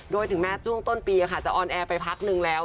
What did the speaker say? โดยถึงแม้ช่วงต้นปีจะออนแอร์ไปพักนึงแล้ว